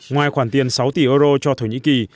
ngoài khoản tiền sáu tỷ euro cho thổ nhĩ kỳ